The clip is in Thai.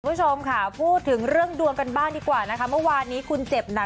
คุณผู้ชมค่ะพูดถึงเรื่องดวงกันบ้างดีกว่านะคะ